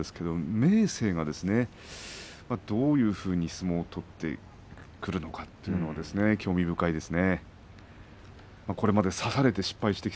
明生はどういうふうに相撲を取るのかというのは非常に興味深いですね。